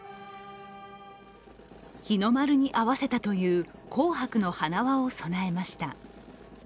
日の丸に合わせたという紅白の花輪を供えました。